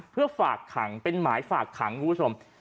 เพื่อฝากขังเป็นหมายฝากขังคุณผู้ชม